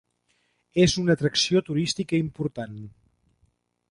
És una atracció turística important.